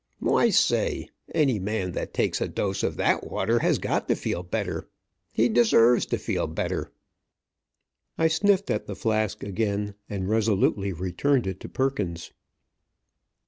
Why, say! Any man that takes a dose of that water has got to feel better. He deserves to feel better." I sniffed at the flask again, and resolutely returned it to Perkins.